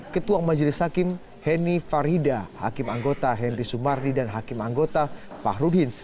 ketua majelis hakim henny farida hakim anggota henry sumardi dan hakim anggota fahrudin